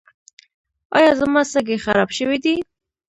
ایا زما سږي خراب شوي دي؟